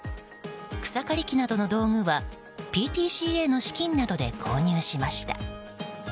草刈り機などの道具はＰＴＣＡの資金などで購入しました。